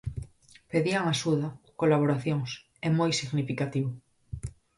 Pedían axuda, colaboracións, é moi significativo.